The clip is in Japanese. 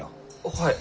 はい。